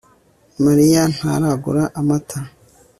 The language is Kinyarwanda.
Mariya ntaragura amata